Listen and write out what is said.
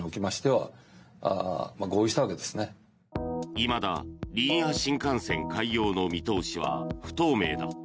いまだリニア新幹線開業の見通しは不透明だ。